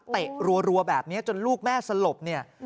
เตะรัวแบบนี้จนลูกแม่สลบ